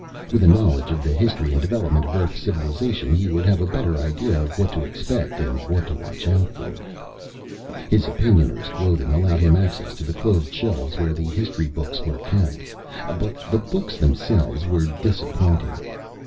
With a knowledge of the history and development of Earth's civilization, he would have a better idea of what to expect and what to watch out for. His Opinioner's clothing allowed him access to the closed shelves where the history books were kept. But the books themselves were disappointing.